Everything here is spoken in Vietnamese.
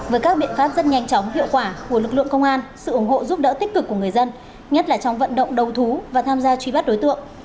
với các biện pháp rất nhanh chóng hiệu quả của lực lượng công an sự ủng hộ giúp đỡ tích cực của người dân nhất là trong vận động đầu thú và tham gia truy bắt đối tượng